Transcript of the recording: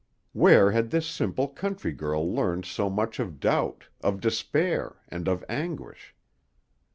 Where had this simple country girl learned so much of doubt, of despair, and of anguish?